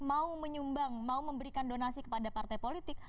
mau menyumbang mau memberikan donasi kepada partai politik